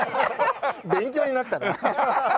勉強になったな。